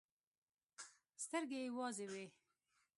سترګې يې وازې وې.